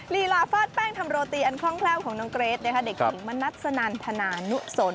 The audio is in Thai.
ลีลาฟาดแป้งทำโรตีอันคล่องแคล่วของน้องเกรทนะคะเด็กหญิงมณัสสนันธนานุสน